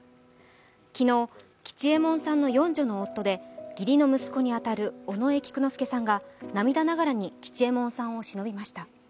昨日、吉右衛門さんの四女の夫で、義理の息子に当たる尾上菊之助さんが涙ながらに吉右衛門さんをしのびました。